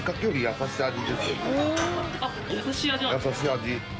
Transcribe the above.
優しい味。